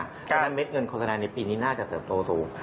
เพราะฉะนั้นเม็ดเงินโฆษณาในปีนี้น่าจะเติบโตสูง